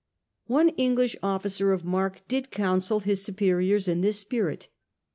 One English officer of mark did counsel his superiors in this spirit.